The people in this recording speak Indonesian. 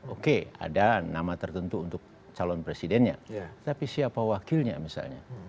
oke ada nama tertentu untuk calon presidennya tapi siapa wakilnya misalnya